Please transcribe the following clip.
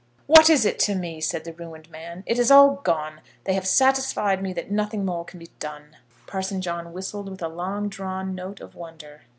"What is it to me?" said the ruined man. "It is all gone. They have satisfied me that nothing more can be done." Parson John whistled with a long drawn note of wonder.